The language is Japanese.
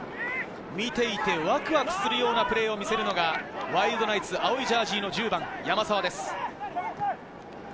見ていてワクワクするようなプレーを見せるのがワイルドナイツ、青いジャージーの１０番・山沢です。